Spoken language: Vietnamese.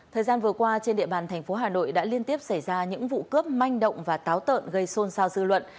thời gian vừa qua trên địa bàn thành phố hà nội đã liên tiếp xảy ra những vụ cướp manh động và táo tợn gây xôn xao dư luận